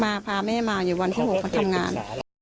พาแม่มาอยู่วันที่๖เขาทำงาน